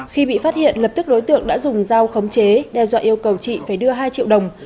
khi bị phát hiện lập tức đối tượng đã dùng dao khống chế đe dọa yêu cầu chị phải đưa hai triệu đồng